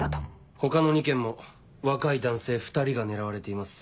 他の２件も若い男性２人が狙われています。